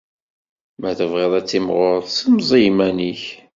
Ma tebɣiḍ ad timɣuṛeḍ, ssemẓi iman-ik!